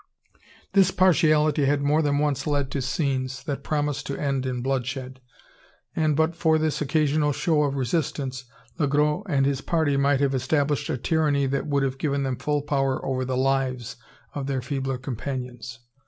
This partiality had more than once led to scenes, that promised to end in bloodshed; and but for this occasional show of resistance, Le Gros and his party might have established a tyranny that would have given them full power over the lives of their feebler companions.